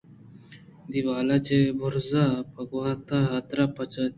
دیوال چہ برز ءَ پہ گوٛات ءِ حاترا پچ اَت